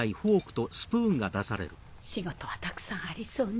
仕事はたくさんありそうね。